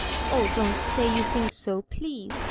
" Oh, don't say you think so, please.